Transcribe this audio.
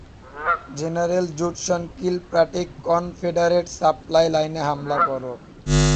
General Judson Kilpatrick, Confederate supply লাইনে হামলা করো।